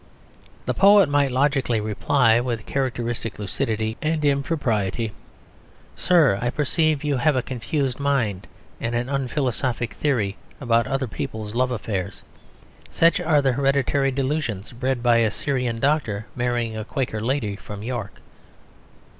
The poet might logically reply (with characteristic lucidity and impropriety), "Sir, I perceive you have a confused mind and an unphilosophic theory about other people's love affairs. Such are the hereditary delusions bred by a Syrian doctor marrying a Quaker lady from York."